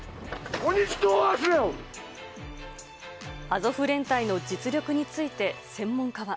アゾフ連隊の実力について、専門家は。